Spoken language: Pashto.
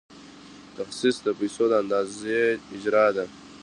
تخصیص د پیسو د اندازې اجرا ده.